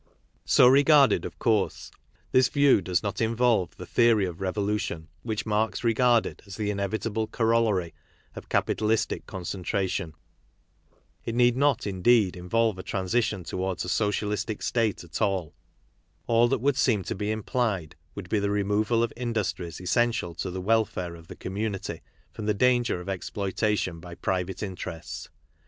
So regarded, of course, this view does not involve the theory of revolution which Marx regarded as the inevit ' Cf. Herman Levy, Lart^c and small lioldings (191 1). KARL MARX 33 able corollary of capitalistic concentration. It need not, indeed, involve a transition towards a socialistic state, at all. All that would seem to be implied would be the, removal of industries essential to the welfare of the community from the danger of exploitation by private interests.